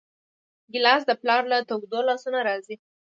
ګیلاس د پلار له تودو لاسونو راځي.